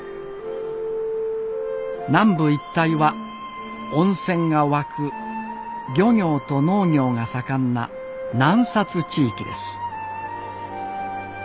南部一帯は温泉が湧く漁業と農業が盛んな南地域です。